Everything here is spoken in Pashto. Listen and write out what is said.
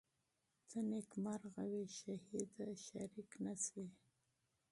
ته نیکمرغه وې شهیده شریک نه سوې